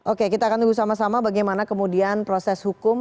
oke kita akan tunggu sama sama bagaimana kemudian proses hukum